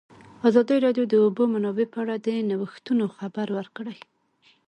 ازادي راډیو د د اوبو منابع په اړه د نوښتونو خبر ورکړی.